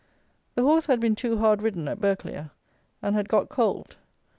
The horse had been too hard ridden at Burghclere, and had got cold.